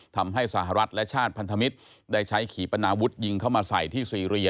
ทำให้สหรัฐและชาติพันธมิตรได้ใช้ขี่ปนาวุฒิยิงเข้ามาใส่ที่ซีเรีย